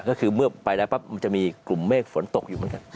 ก็คือเมื่อไปแล้วปั๊บมันจะมีกลุ่มเมฆฝนตกอยู่เหมือนกัน